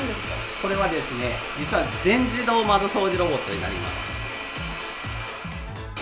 これはですね、実は全自動窓掃除ロボットになります。